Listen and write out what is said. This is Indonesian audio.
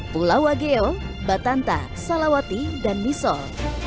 pulau wageo batanta salawati dan misol